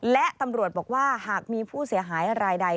และตำรวจบอกว่าหากมีผู้เสียหายรายใด